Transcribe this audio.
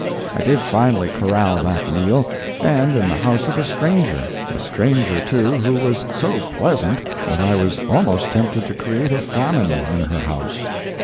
I did finally corral that meal, and in the house of a stranger—a stranger, too, who was so pleasant that I was almost tempted to create a famine in her house.